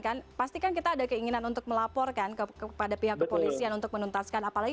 kan pastikan kita ada keinginan untuk melaporkan kepada pihak kepolisian untuk menuntaskan apalagi